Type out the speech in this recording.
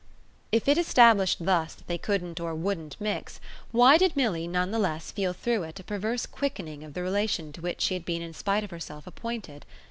If it established thus that they couldn't or wouldn't mix, why did Milly none the less feel through it a perverse quickening of the relation to which she had been in spite of herself appointed?